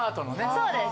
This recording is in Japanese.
そうです。